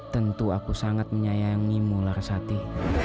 tentu aku sangat menyayangimu larasati